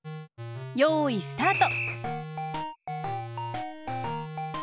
よいスタート！